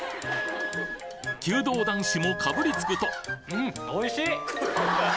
弓道男子もかぶりつくとうん！